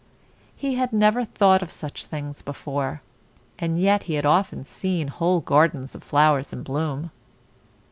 He had never thought of such things before, and yet he had often seen whole gardens of flowers in bloom.